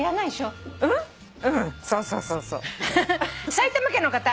埼玉県の方。